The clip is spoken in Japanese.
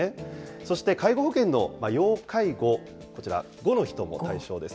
そして、介護保険の要介護、こちら５の人も対象です。